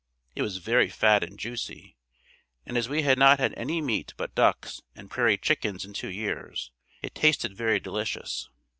It was very fat and juicy and as we had not had any meat but ducks and prairie chickens in two years, it tasted very delicious.